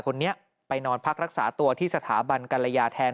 คนนี้ไปนอนพักรักษาตัวที่สถาบันกรยาแทน